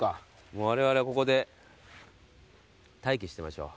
われわれはここで待機してましょう。